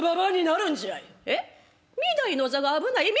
御台の座が危ない？